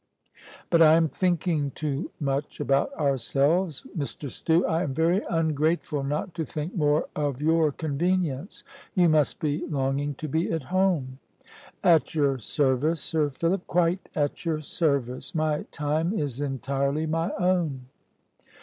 But I am thinking too much about ourselves. Mr Stew, I am very ungrateful not to think more of your convenience. You must be longing to be at home." "At your service, Sir Philip quite at your service. My time is entirely my own."